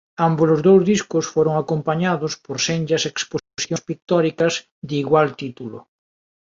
Ámbolos dous discos foron acompañados por senllas exposicións pictóricas de igual título.